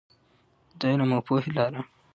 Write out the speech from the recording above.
د علم او پوهې لاره.